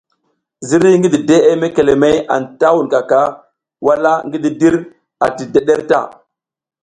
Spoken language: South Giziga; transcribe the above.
Ziriy ngi dideʼe mekeleleya anta wunkaka wala ngi digir ati dǝdǝr ta.